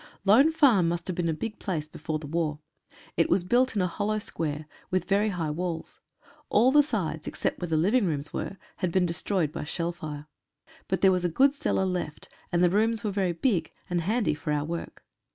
Lone Farm must have been a big place before tile war. It was built in a hollow square, with very high walls. All the sides, except where the living rooms w^re had been destroyed by shell fire. But there was a good cellar left, and the rooms were very big, and handy for our work.